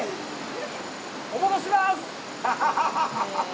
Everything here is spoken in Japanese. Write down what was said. お戻しします！